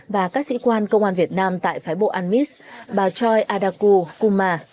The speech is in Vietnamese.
và các sĩ quan công an việt nam tại phái bộ anmis bà choi adaku kuma